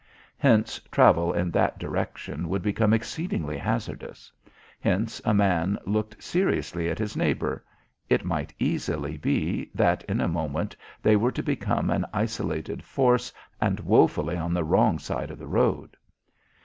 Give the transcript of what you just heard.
Hence travel in that direction would become exceedingly hazardous. Hence a man looked seriously at his neighbour. It might easily be that in a moment they were to become an isolated force and woefully on the wrong side of the road.